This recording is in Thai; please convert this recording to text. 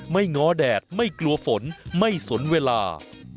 ง้อแดดไม่กลัวฝนไม่สนเวลา